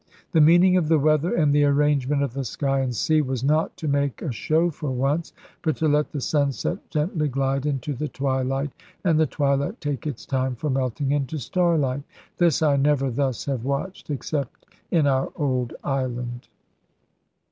The meaning of the weather and the arrangement of the sky and sea, was not to make a show for once, but to let the sunset gently glide into the twilight, and the twilight take its time for melting into starlight. This I never thus have watched except in our old island.